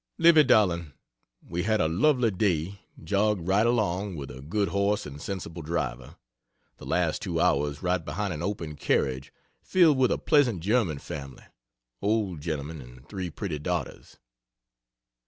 Livy darling, we had a lovely day jogged right along, with a good horse and sensible driver the last two hours right behind an open carriage filled with a pleasant German family old gentleman and 3 pretty daughters.